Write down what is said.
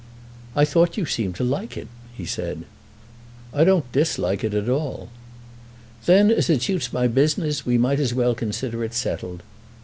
"I thought you seemed to like it," he said. "I don't dislike it at all." "Then, as it suits my business, we might as well consider it settled."